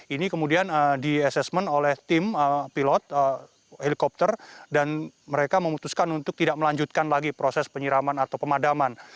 ini kemudian di assessment oleh tim pilot helikopter dan mereka memutuskan untuk tidak melanjutkan lagi proses penyiraman atau pemadaman